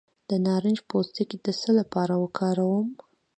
د نارنج پوستکی د څه لپاره وکاروم؟